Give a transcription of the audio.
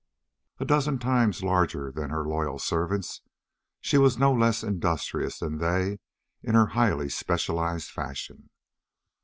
A dozen times larger than her loyal servants, she was no less industrious than they in her highly specialized fashion.